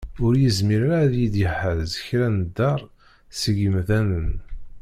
Ur yezmir ara ad iyi-d-iḥaz kra n ḍḍer seg yemdanen.